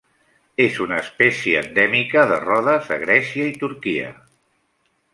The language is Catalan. És una espècie endèmica de Rodes a Grècia i Turquia.